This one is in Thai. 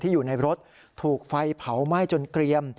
อยู่ในรถถูกไฟเผาไหม้จนเกรียม